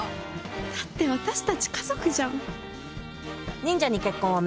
だって私たち家族じゃん。